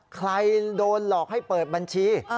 ใครโดนหลอกให้เปิดบัญชี